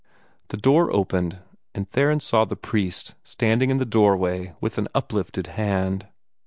The door opened, and Theron saw the priest standing in the doorway with an uplifted hand.